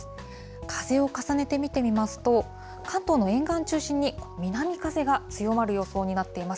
風を重ねて見てみますと、関東の沿岸中心に、南風が強まる予想になっています。